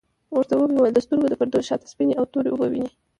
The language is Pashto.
ورته ومي ویل د سترګو د پردو شاته سپیني او توری اوبه وینې ؟